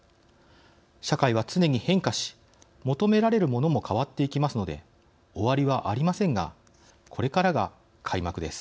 社会は常に変化し求められるものも変わっていきますので終わりはありませんがこれからが開幕です。